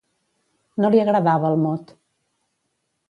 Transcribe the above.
No li agradava el mot.